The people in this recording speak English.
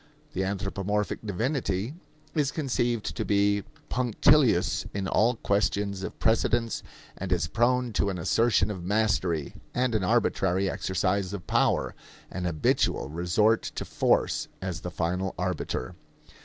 The anthropomorphic divinity is conceived to be punctilious in all questions of precedence and is prone to an assertion of mastery and an arbitrary exercise of power an habitual resort to force as the final arbiter.